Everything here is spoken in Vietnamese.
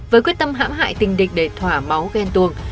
với quyết tâm hãm hại tình địch để thỏa máu ghen tuồng